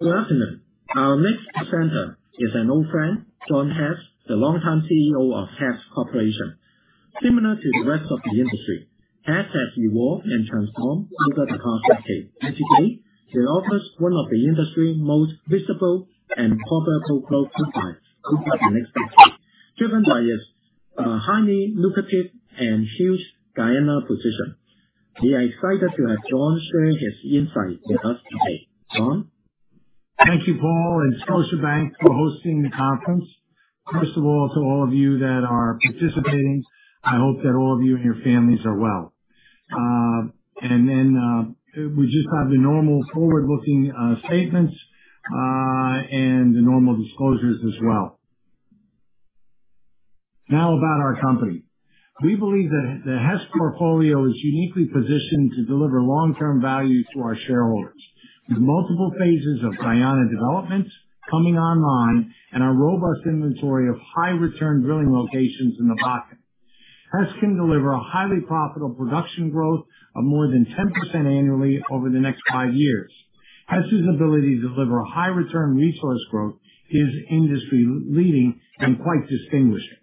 Good afternoon. Our next presenter is an old friend, John Hess, the longtime CEO of Hess Corporation. Similar to the rest of the industry, Hess has evolved and transformed over the past decade, and today it offers one of the industry's most visible and profitable growth profiles over the next decade, driven by its highly lucrative and huge Guyana position. We are excited to have John share his insights with us today. John? Thank you, Paul, and Scotiabank for hosting the conference. First of all, to all of you that are participating, I hope that all of you and your families are well. We just have the normal forward-looking statements and the normal disclosures as well. Now about our company. We believe that the Hess portfolio is uniquely positioned to deliver long-term value to our shareholders with multiple phases of Guyana development coming online and our robust inventory of high return drilling locations in the Bakken. Hess can deliver a highly profitable production growth of more than 10% annually over the next five years. Hess's ability to deliver high return resource growth is industry leading and quite distinguishing.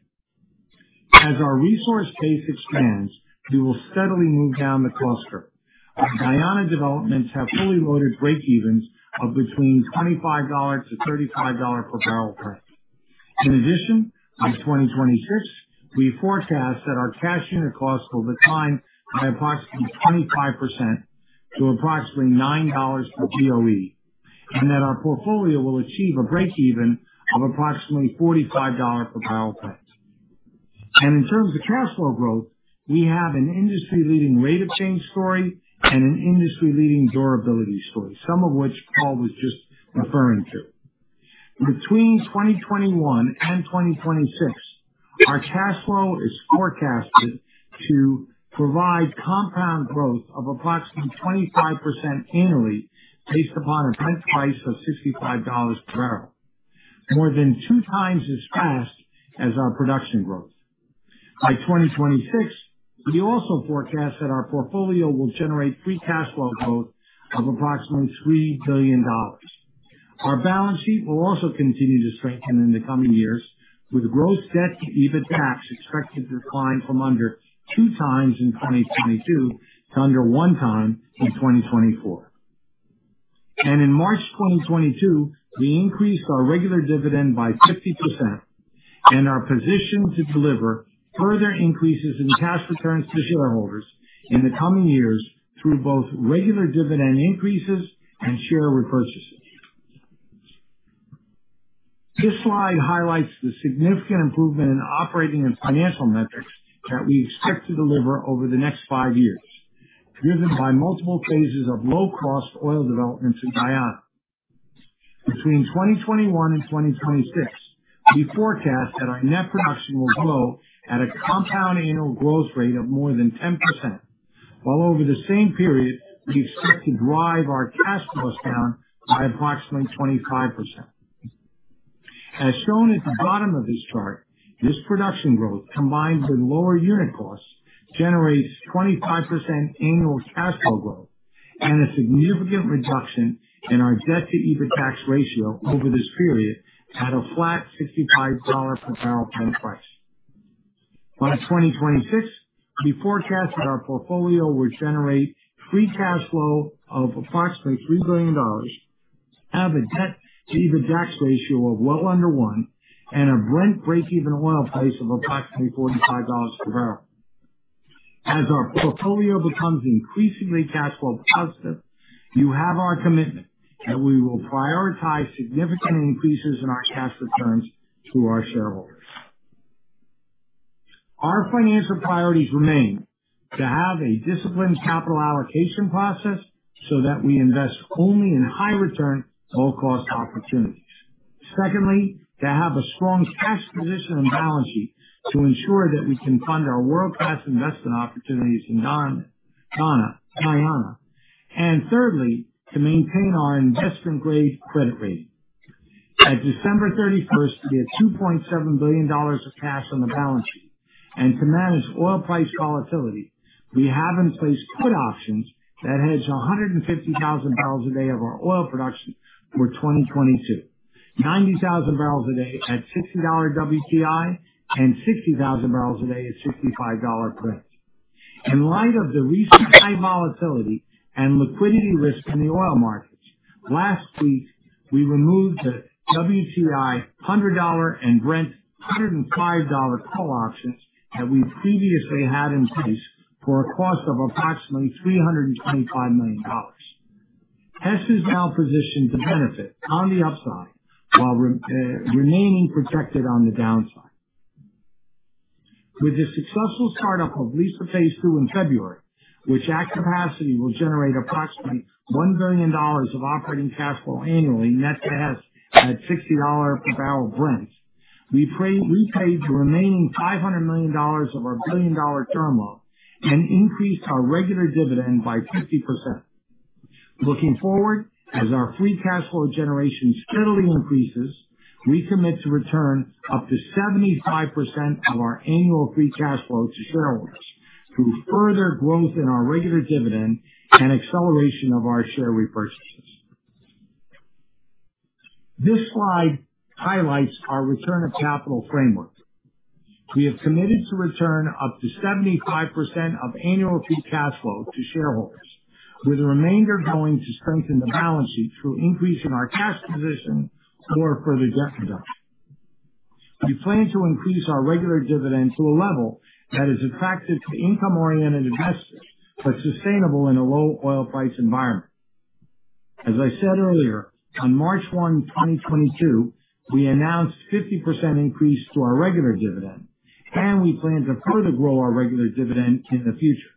As our resource base expands, we will steadily move down the cost curve. Our Guyana developments have fully loaded breakevens of between $25-$35 per barrel price. In addition, by 2026, we forecast that our cash unit costs will decline by approximately 25% to approximately $9 per BOE, and that our portfolio will achieve a breakeven of approximately $45 per barrel price. In terms of cash flow growth, we have an industry-leading rate of change story and an industry-leading durability story, some of which Paul was just referring to. Between 2021 and 2026, our cash flow is forecasted to provide compound growth of approximately 25% annually based upon a Brent price of $65 per barrel. More than 2 times as fast as our production growth. By 2026, we also forecast that our portfolio will generate free cash flow growth of approximately $3 billion. Our balance sheet will also continue to strengthen in the coming years, with gross debt to EBITDAX expected to decline from under 2x in 2022 to under 1x in 2024. In March 2022, we increased our regular dividend by 50% and are positioned to deliver further increases in cash returns to shareholders in the coming years through both regular dividend increases and share repurchases. This slide highlights the significant improvement in operating and financial metrics that we expect to deliver over the next five years, driven by multiple phases of low-cost oil development in Guyana. Between 2021 and 2026, we forecast that our net production will grow at a compound annual growth rate of more than 10%, while over the same period we expect to drive our cash costs down by approximately 25%. As shown at the bottom of this chart, this production growth, combined with lower unit costs, generates 25% annual cash flow growth and a significant reduction in our debt to EBITDAX ratio over this period at a flat $65 per barrel Brent price. By 2026, we forecast that our portfolio will generate free cash flow of approximately $3 billion, have a debt to EBITDAX ratio of well under 1, and a Brent breakeven oil price of approximately $45 per barrel. As our portfolio becomes increasingly cash flow positive, you have our commitment that we will prioritize significant increases in our cash returns to our shareholders. Our financial priorities remain to have a disciplined capital allocation process so that we invest only in high return, low cost opportunities. Secondly, to have a strong cash position and balance sheet to ensure that we can fund our world-class investment opportunities in Guyana. Thirdly, to maintain our investment grade credit rating. At December 31, we had $2.7 billion of cash on the balance sheet. To manage oil price volatility, we have in place put options that hedge 150,000 barrels a day of our oil production for 2022. 90,000 barrels a day at $60 WTI and 60,000 barrels a day at $65 Brent. In light of the recent high volatility and liquidity risk in the oil markets, last week we removed the WTI $100 and Brent $105 call options that we previously had in place for a cost of approximately $325 million. Hess is now positioned to benefit on the upside while remaining protected on the downside. With the successful start of Liza Phase Two in February, which at capacity will generate approximately $1 billion of operating cash flow annually net to Hess at $60 per barrel Brent, we paid the remaining $500 million of our $1 billion term loan and increased our regular dividend by 50%. Looking forward, as our free cash flow generation steadily increases, we commit to return up to 75% of our annual free cash flow to shareholders. To further growth in our regular dividend and acceleration of our share repurchases. This slide highlights our return of capital framework. We have committed to return up to 75% of annual free cash flow to shareholders, with the remainder going to strengthen the balance sheet through increase in our cash position or further debt reduction. We plan to increase our regular dividend to a level that is attractive to income-oriented investors, but sustainable in a low oil price environment. As I said earlier, on March 1, 2022, we announced 50% increase to our regular dividend, and we plan to further grow our regular dividend in the future.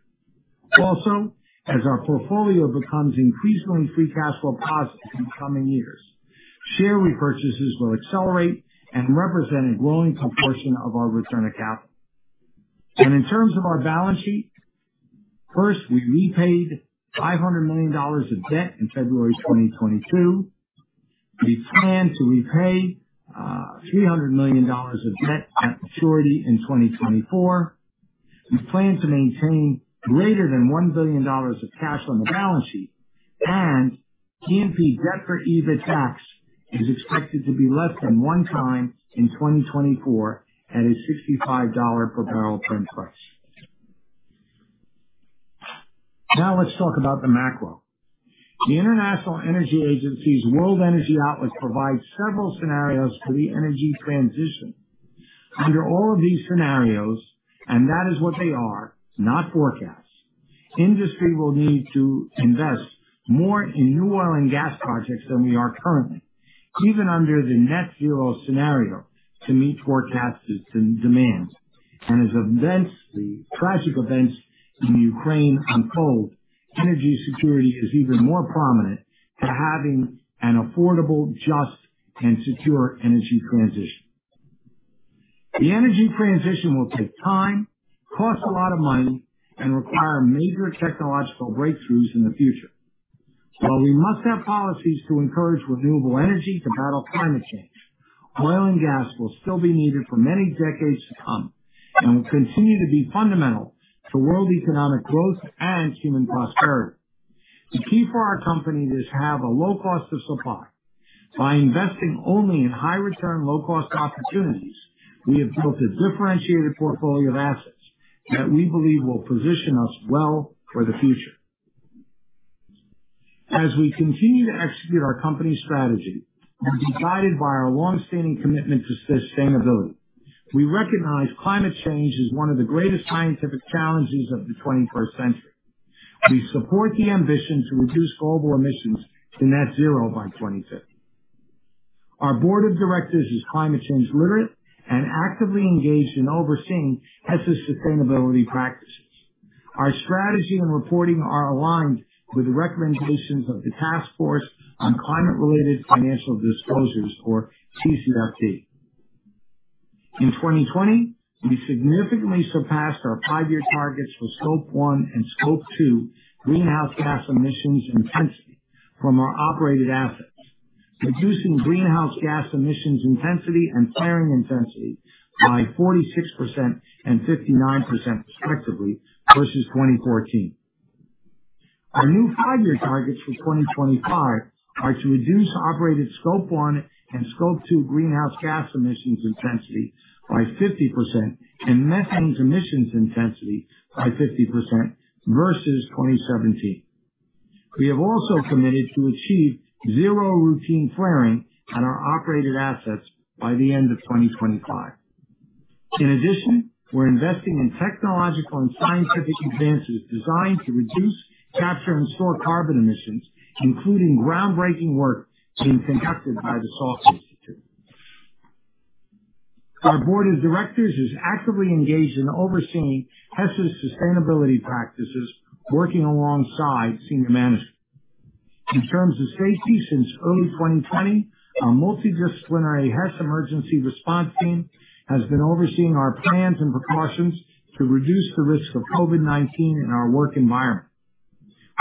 Also, as our portfolio becomes increasingly free cash flow positive in coming years, share repurchases will accelerate and represent a growing proportion of our return of capital. In terms of our balance sheet, first, we repaid $500 million of debt in February 2022. We plan to repay $300 million of debt at maturity in 2024. We plan to maintain greater than $1 billion of cash on the balance sheet. Net debt to EBITDAX is expected to be less than 1x in 2024 at a $65 per barrel Brent price. Now let's talk about the macro. The International Energy Agency's World Energy Outlook provides several scenarios for the energy transition. Under all of these scenarios, and that is what they are, not forecasts, industry will need to invest more in new oil and gas projects than we are currently, even under the net zero scenario, to meet forecasted system demands. As these events, the tragic events in Ukraine unfold, energy security is even more prominent to having an affordable, just, and secure energy transition. The energy transition will take time, cost a lot of money, and require major technological breakthroughs in the future. While we must have policies to encourage renewable energy to battle climate change, oil and gas will still be needed for many decades to come and will continue to be fundamental to world economic growth and human prosperity. The key for our company is to have a low cost of supply. By investing only in high return, low cost opportunities, we have built a differentiated portfolio of assets that we believe will position us well for the future. As we continue to execute our company's strategy, we're guided by our long-standing commitment to sustainability. We recognize climate change is one of the greatest scientific challenges of the 21st century. We support the ambition to reduce global emissions to net zero by 2050. Our board of directors is climate change literate and actively engaged in overseeing Hess's sustainability practices. Our strategy and reporting are aligned with the recommendations of the Task Force on Climate-related Financial Disclosures or TCFD. In 2020, we significantly surpassed our five-year targets for Scope One and Scope Two greenhouse gas emissions intensity from our operated assets, reducing greenhouse gas emissions intensity and flaring intensity by 46% and 59%, respectively, versus 2014. Our new five-year targets for 2025 are to reduce operated Scope One and Scope Two greenhouse gas emissions intensity by 50% and methane emissions intensity by 50% versus 2017. We have also committed to achieve zero routine flaring on our operated assets by the end of 2025. In addition, we're investing in technological and scientific advances designed to reduce, capture, and store carbon emissions, including groundbreaking work being conducted by the Salk Institute. Our board of directors is actively engaged in overseeing Hess's sustainability practices, working alongside senior management. In terms of safety, since early 2020, our multidisciplinary Hess Emergency Response Team has been overseeing our plans and precautions to reduce the risk of COVID-19 in our work environment.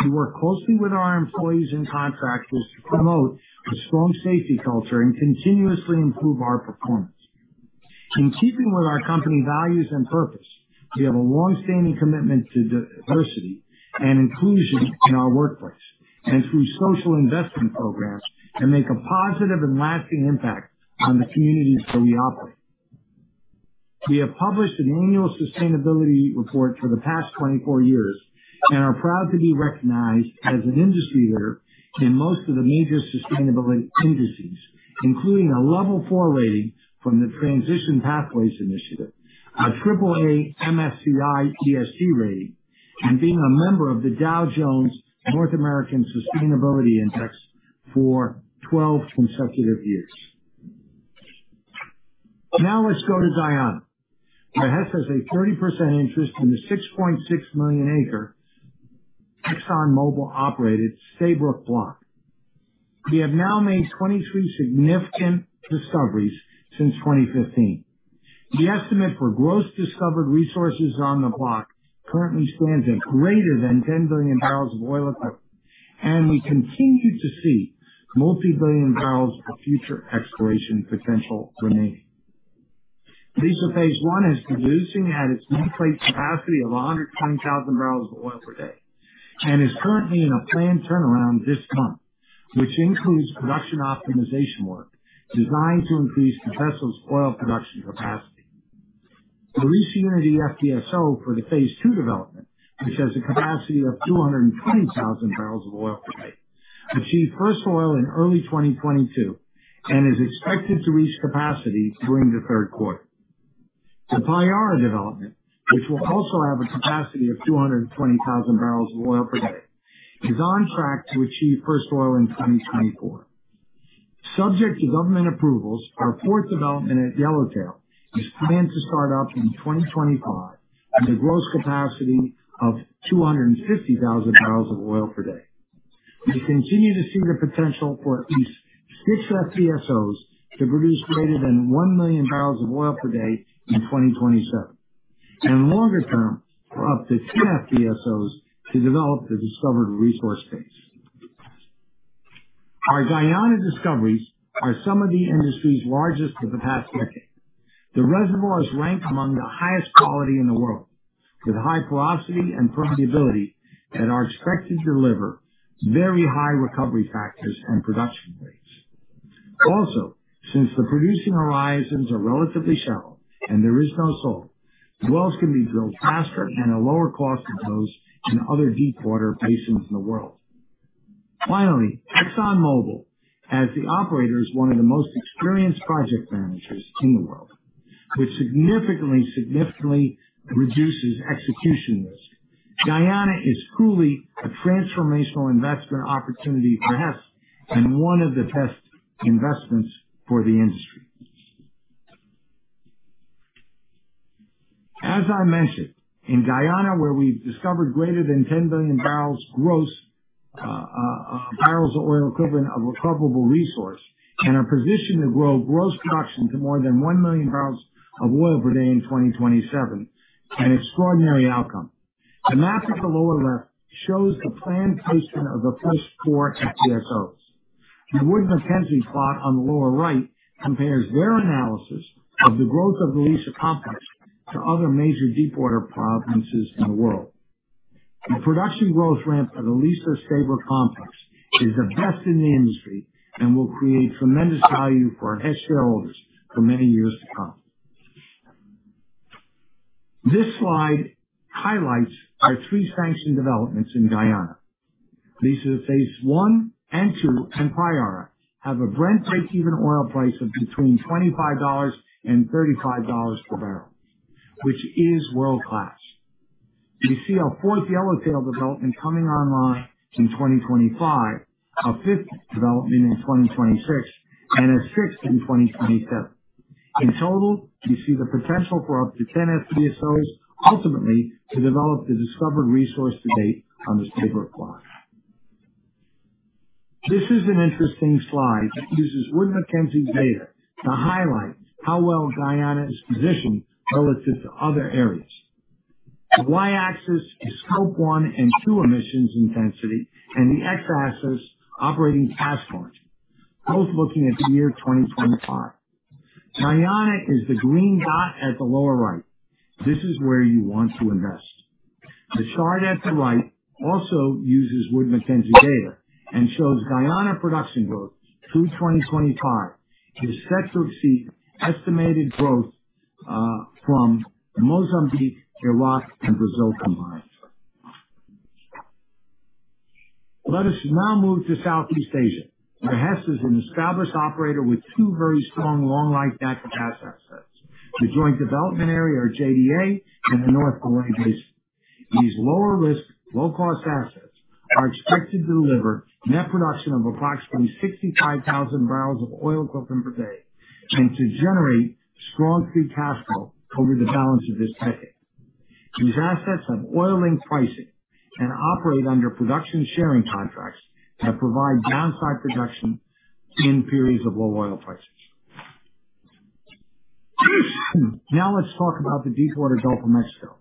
We work closely with our employees and contractors to promote a strong safety culture and continuously improve our performance. In keeping with our company values and purpose, we have a long-standing commitment to diversity and inclusion in our workplace. Through social investment programs, we can make a positive and lasting impact on the communities where we operate. We have published an annual sustainability report for the past 24 years and are proud to be recognized as an industry leader in most of the major sustainability indices, including a level 4 rating from the Transition Pathway Initiative, our AAA MSCI ESG rating, and being a member of the Dow Jones Sustainability Index North America for 12 consecutive years. Now let's go to Guyana. Hess has a 30% interest in the 6.6 million-acre ExxonMobil-operated Stabroek Block. We have now made 23 significant discoveries since 2015. The estimate for gross discovered resources on the block currently stands at greater than 10 billion barrels of oil equivalent, and we continue to see multi-billion barrels of future exploration potential remain. Liza Phase One is producing at its nameplate capacity of 110,000 barrels of oil per day, and is currently in a planned turnaround this month, which includes production optimization work designed to increase the vessel's oil production capacity. The Liza Unity FPSO for the Liza Phase Two development, which has a capacity of 220,000 barrels of oil per day, achieved first oil in early 2022 and is expected to reach capacity during the third quarter. The Payara development, which will also have a capacity of 220,000 barrels of oil per day, is on track to achieve first oil in 2024. Subject to government approvals, our fourth development at Yellowtail is planned to start up in 2025 at a gross capacity of 250,000 barrels of oil per day. We continue to see the potential for at least six FPSOs to produce greater than 1,000,000 barrels of oil per day in 2027, and longer term, for up to 10 FPSOs to develop the discovered resource base. Our Guyana discoveries are some of the industry's largest in the past decade. The reservoir is ranked among the highest quality in the world, with high porosity and permeability, and are expected to deliver very high recovery factors and production rates. Also, since the producing horizons are relatively shallow and there is no salt, wells can be drilled faster and at lower cost than those in other deepwater basins in the world. Finally, ExxonMobil, as the operator, is one of the most experienced project managers in the world, which significantly reduces execution risk. Guyana is truly a transformational investment opportunity for Hess and one of the best investments for the industry. As I mentioned, in Guyana, where we've discovered greater than 10 billion barrels gross, barrels of oil equivalent of recoverable resource, and are positioned to grow gross production to more than 1 million barrels of oil per day in 2027, an extraordinary outcome. The map at the lower left shows the planned placement of the first 4 FPSOs. The Wood Mackenzie plot on the lower right compares their analysis of the growth of the Liza complex to other major deepwater provinces in the world. The production growth ramp at the Stabroek complex is the best in the industry and will create tremendous value for Hess shareholders for many years to come. This slide highlights our 3 sanctioned developments in Guyana. Liza Phase One and Two and Payara have a Brent breakeven oil price of between $25 and $35 per barrel, which is world-class. You see our fourth Yellowtail development coming online in 2025, our fifth development in 2026, and a sixth in 2027. In total, you see the potential for up to 10 FPSOs ultimately to develop the discovered resource to date on the Stabroek Block. This is an interesting slide that uses Wood Mackenzie data to highlight how well Guyana is positioned relative to other areas. The Y-axis is Scope 1 and 2 emissions intensity and the X-axis operating cash margin, both looking at the year 2025. Guyana is the green dot at the lower right. This is where you want to invest. The chart at the right also uses Wood Mackenzie data and shows Guyana production growth through 2025 is expected to exceed estimated growth from Mozambique, Iraq, and Brazil combined. Let us now move to Southeast Asia, where Hess is an established operator with two very strong long-life gas assets, the Joint Development Area, or JDA, and the North Malay Basin. These lower risk, low cost assets are expected to deliver net production of approximately 65,000 barrels of oil equivalent per day and to generate strong free cash flow over the balance of this decade. These assets have oil linked pricing and operate under production sharing contracts that provide downside protection in periods of low oil prices. Now let's talk about the deepwater Gulf of Mexico,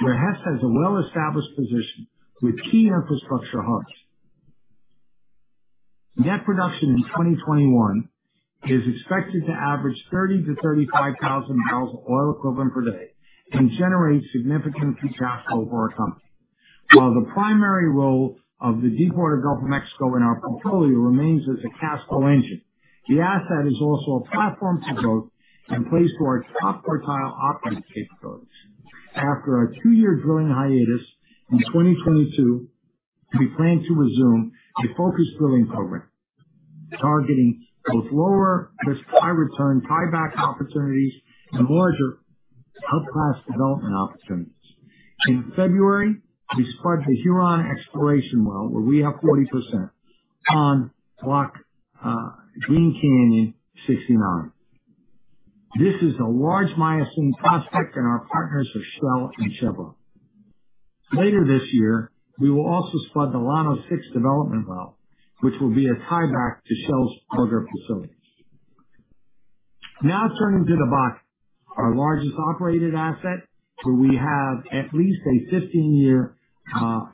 where Hess has a well-established position with key infrastructure hubs. Net production in 2021 is expected to average 30,000-35,000 barrels of oil equivalent per day and generate significant free cash flow for our company. While the primary role of the deepwater Gulf of Mexico in our portfolio remains as a cash flow engine, the asset is also a platform to growth and plays to our top quartile operating capabilities. After a two-year drilling hiatus, in 2022, we plan to resume a focused drilling program targeting both lower risk, high return tieback opportunities and larger top-class development opportunities. In February, we spud the Huron exploration well, where we have 40% on Green Canyon Block 69. This is a large Miocene prospect and our partners are Shell and Chevron. Later this year, we will also spud the Llano-6 development well, which will be a tieback to Shell's Auger facility. Now turning to the Bakken, our largest operated asset, where we have at least a 15-year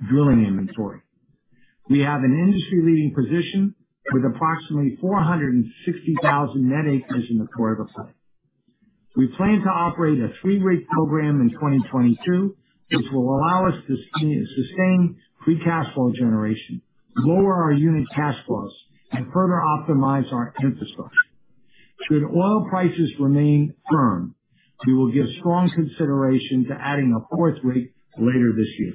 drilling inventory. We have an industry-leading position with approximately 460,000 net acres in the Torquay Formation. We plan to operate a 3-rig program in 2022, which will allow us to sustain free cash flow generation, lower our unit cash costs, and further optimize our infrastructure. Should oil prices remain firm, we will give strong consideration to adding a fourth rig later this year.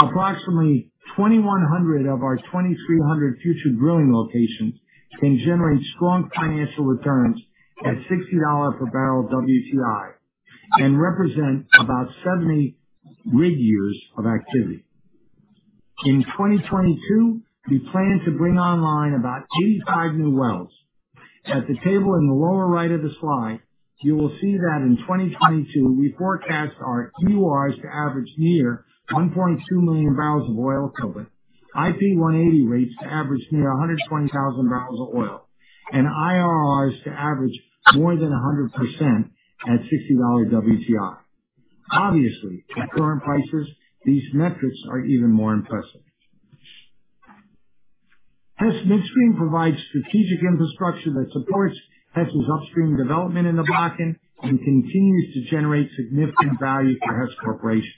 Approximately 2,100 of our 2,300 future drilling locations can generate strong financial returns at $60 per barrel WTI and represent about 70 rig years of activity. In 2022, we plan to bring online about 85 new wells. At the table in the lower right of the slide, you will see that in 2022, we forecast our EURs to average near 1.2 million barrels of oil equivalent, IP 180 rates to average near 120,000 barrels of oil, and IRRs to average more than 100% at $60 WTI. Obviously, at current prices, these metrics are even more impressive. Hess Midstream provides strategic infrastructure that supports Hess' upstream development in the Bakken and continues to generate significant value for Hess Corporation.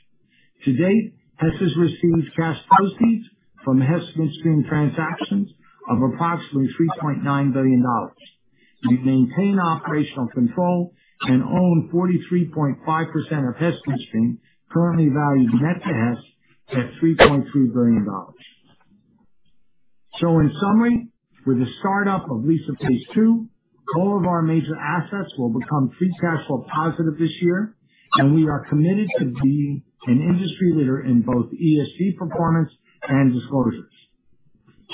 To date, Hess has received cash proceeds from Hess Midstream transactions of approximately $3.9 billion. We maintain operational control and own 43.5% of Hess Midstream, currently valued net to Hess at $3.2 billion. In summary, with the start-up of Liza Phase Two, all of our major assets will become free cash flow positive this year, and we are committed to being an industry leader in both ESG performance and disclosures.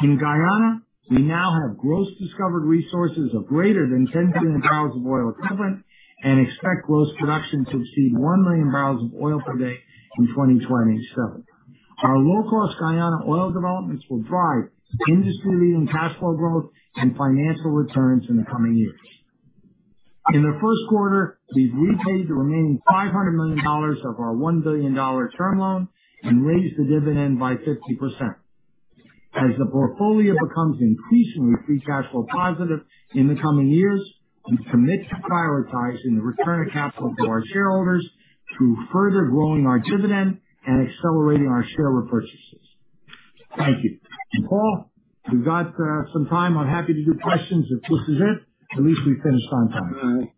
In Guyana, we now have gross discovered resources of greater than 10 billion barrels of oil equivalent and expect gross production to exceed 1 million barrels of oil per day in 2027. Our low-cost Guyana oil developments will drive industry-leading cash flow growth and financial returns in the coming years. In the first quarter, we've repaid the remaining $500 million of our $1 billion term loan and raised the dividend by 50%. As the portfolio becomes increasingly free cash flow positive in the coming years, we commit to prioritizing the return of capital to our shareholders through further growing our dividend and accelerating our share repurchases. Thank you. Paul, we've got some time. I'm happy to do questions. If this is it, at least we finished on time. All right.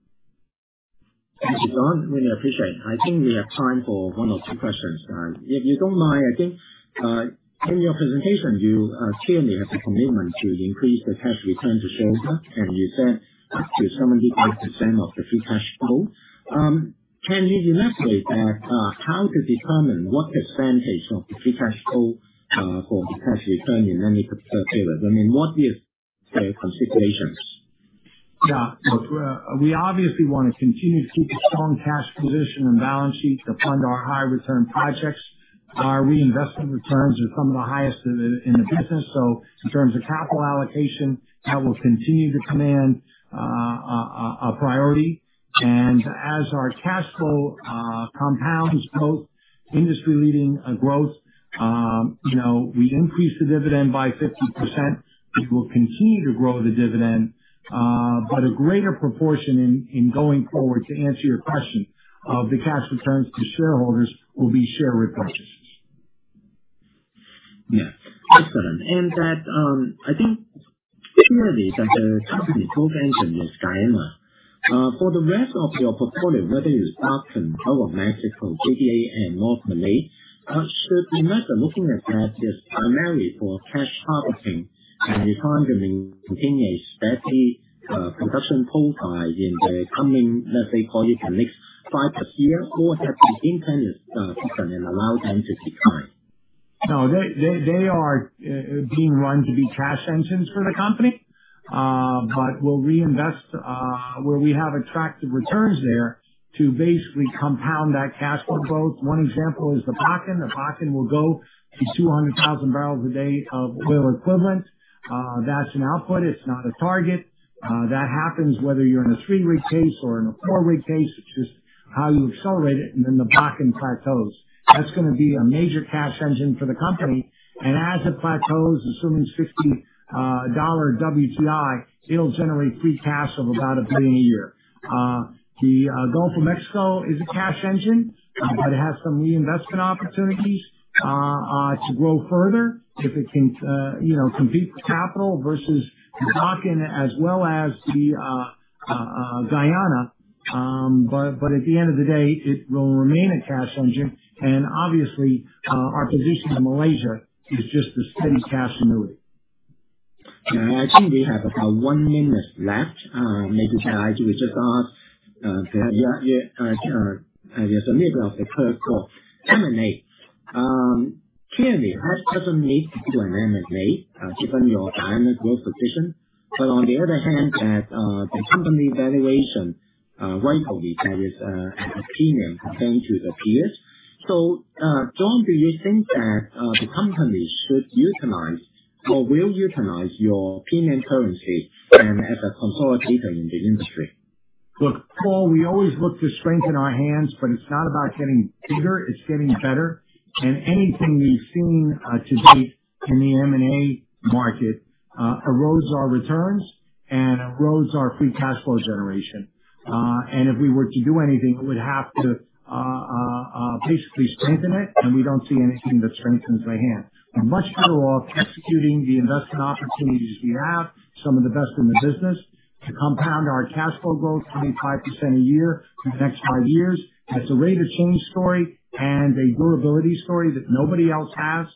Thank you, John. Really appreciate it. I think we have time for one or two questions. If you don't mind, I think in your presentation you clearly have a commitment to increase the cash return to shareholders, and you said up to 78% of the free cash flow. Can you elaborate that, how to determine what percentage of the free cash flow for the cash return you mentioned earlier? I mean, what are your considerations? Yeah. Look, we obviously wanna continue to keep a strong cash position and balance sheet to fund our high return projects. Our reinvestment returns are some of the highest in the business. In terms of capital allocation, that will continue to command a priority. As our cash flow compounds both industry-leading growth, you know, we increased the dividend by 50%. We will continue to grow the dividend, but a greater proportion in going forward, to answer your question, the cash returns to shareholders will be share repurchases. Yeah. Excellent. I think clearly that the company's growth engine is Guyana. For the rest of your portfolio, whether it's Bakken, Gulf of Mexico, JDA, and North Malay, should we be rather looking at that just primarily for cash harvesting and returning to maintain a steady production profile in the coming, let's say, call it the next 5-10 years? Or have you intended to let them decline? No, they are being run to be cash engines for the company. But we'll reinvest where we have attractive returns there to basically compound that cash flow growth. One example is the Bakken. The Bakken will go to 200,000 barrels a day of oil equivalent. That's an output. It's not a target. That happens whether you're in a 3-rig case or in a 4-rig case. It's just how you accelerate it, and then the Bakken plateaus. That's gonna be a major cash engine for the company. As it plateaus, assuming it's $50 WTI, it'll generate free cash of about $1 billion a year. The Gulf of Mexico is a cash engine, but it has some reinvestment opportunities to grow further if it can, you know, compete with capital versus the Bakken as well as the Guyana. At the end of the day, it will remain a cash engine. Obviously, our position in Malaysia is just a steady cash annuity. I think we have about one minute left. Maybe I can just ask in the middle of the third quarter M&A. Clearly Hess doesn't need to do an M&A given your Guyana growth position. On the other hand, that the company valuation rightfully trades at a premium compared to the peers. John, do you think that the company should utilize or will utilize your premium currency and as a consolidator in the industry? Look, Paul, we always look to strengthen our hands, but it's not about getting bigger, it's getting better. Anything we've seen to date in the M&A market erodes our returns and erodes our free cash flow generation. If we were to do anything, it would have to basically strengthen it, and we don't see anything that strengthens the hand. We're much better off executing the investment opportunities we have, some of the best in the business, to compound our cash flow growth 25% a year for the next five years. That's a rate of change story and a durability story that nobody else has.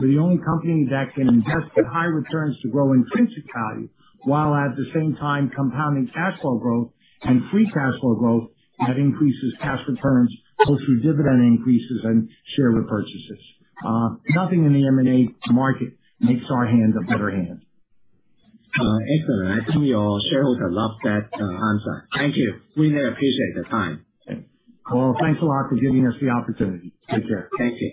We're the only company that can invest at high returns to grow intrinsic value, while at the same time compounding cash flow growth and free cash flow growth that increases cash returns through dividend increases and share repurchases. Nothing in the M&A market makes our hands a better hand. Excellent. I think your shareholders love that answer. Thank you. Really appreciate the time. Paul, thanks a lot for giving us the opportunity. Take care. Thank you.